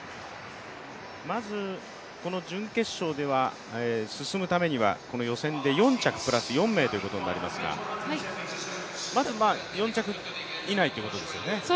まず準決勝進むためには予選で４着プラス４名ということになりますがまず、４着以内ということですよね。